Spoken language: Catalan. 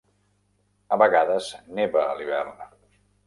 A vegades, neva a l'hivern.